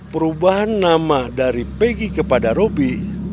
perubahan nama dari peggy kepada robby